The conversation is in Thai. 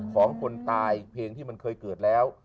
ของคนตายเพลงที่มันเคยเกิดแล้ว